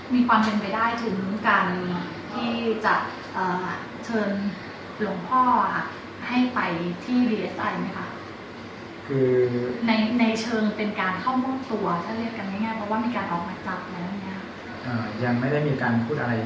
มีความเป็นไปได้หรือการเชิญหลวงพ่อไปที่ดีเอสไอเป็นการเข้าม่วงตัวกันง่ายหรือมีบางการจากหรือไม่